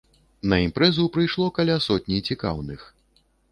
На імпрэзу прыйшло каля сотні цікаўных.